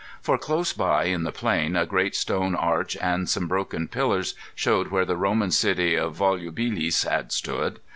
For close by in the plain a great stone arch and some broken pillars showed where the Roman city of Volubilis had stood.